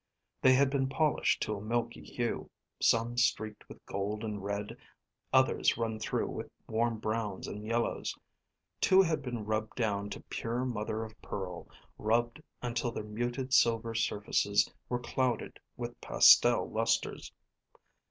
They had been polished to a milky hue, some streaked with gold and red, others run through with warm browns and yellows. Two had been rubbed down to pure mother of pearl, rubbed until their muted silver surfaces were clouded with pastel lusters.